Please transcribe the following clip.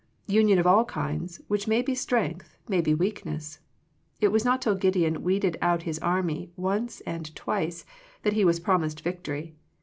Union of all kinds, which may be strength, may be weakness. It was not till Gideon weeded out his army, once and twice, that he was promised victory.